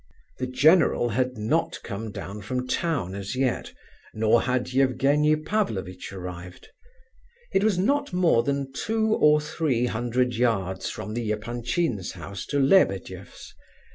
The general had not come down from town as yet, nor had Evgenie Pavlovitch arrived. It was not more than two or three hundred yards from the Epanchins' house to Lebedeff's.